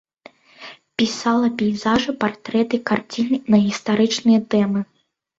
Пісала пейзажы, партрэты, карціны на гістарычныя тэмы.